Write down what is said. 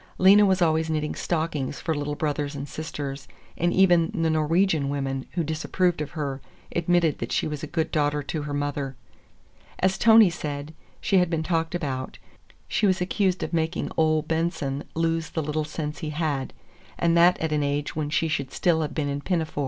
Lena was always knitting stockings for little brothers and sisters, and even the Norwegian women, who disapproved of her, admitted that she was a good daughter to her mother. As Tony said, she had been talked about. She was accused of making Ole Benson lose the little sense he had—and that at an age when she should still have been in pinafores.